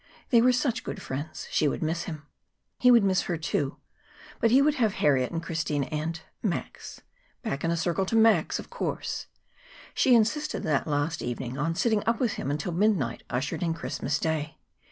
They were such good friends. He would miss her, too; but he would have Harriet and Christine and Max. Back in a circle to Max, of course. She insisted, that last evening, on sitting up with him until midnight ushered in Christmas Day.